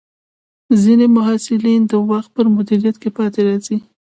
ځینې محصلین د وخت پر مدیریت کې پاتې راځي.